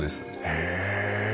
へえ。